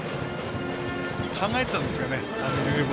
考えていたんですかね。